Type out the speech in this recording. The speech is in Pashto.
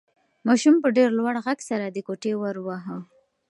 ماشوم په ډېر لوړ غږ سره د کوټې ور واهه.